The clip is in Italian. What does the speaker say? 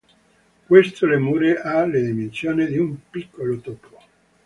Questo lemure ha le dimensioni di un piccolo topo.